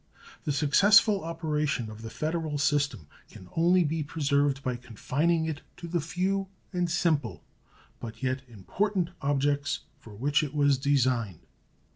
The successful operation of the federal system can only be preserved by confining it to the few and simple, but yet important, objects for which it was designed.